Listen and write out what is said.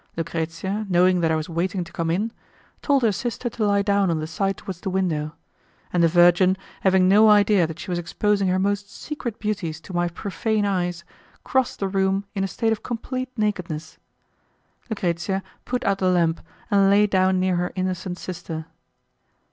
Lucrezia, knowing that I was waiting to come in, told her sister to lie down on the side towards the window, and the virgin, having no idea that she was exposing her most secret beauties to my profane eyes, crossed the room in a state of complete nakedness. Lucrezia put out the lamp and lay down near her innocent sister.